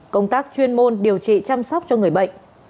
công tác chuyên môn điều trị chăm sóc cho người bệnh